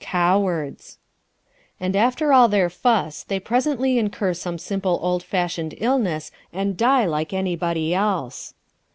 "Cowards." And after all their fuss they presently incur some simple old fashioned illness and die like anybody else.